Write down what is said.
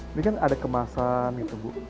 ini kan ada kemasan gitu bu